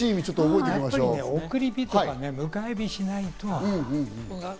やっぱり送り火とか迎え火をしないと。